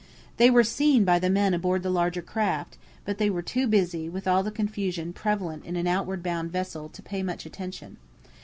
They were seen by the men aboard the larger craft; but they were too busy with all the confusion prevalent in an outward bound vessel to pay much attention.